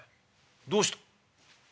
どうした。